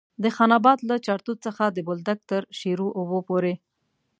د خان اباد له چارتوت څخه د بولدک تر شیرو اوبو پورې.